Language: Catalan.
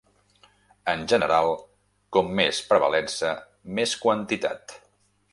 En general, com més prevalença, més quantitat.